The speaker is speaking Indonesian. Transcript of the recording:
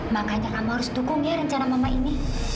makanya kamu harus dukung ya rencana mama ini